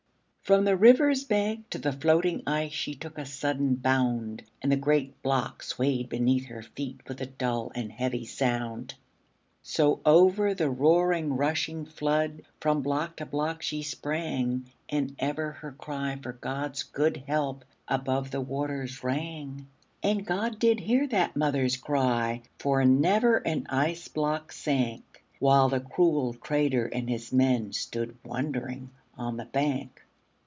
From the river's bank to the floating ice She took a sudden bound, And the great block swayed beneath her feet With a dull and heavy sound. So over the roaring rushing flood, From block to block she sprang, And ever her cry for God's good help Above the waters rang. And God did hear that mother's cry, For never an ice block sank; While the cruel trader and his men Stood wondering on the bank.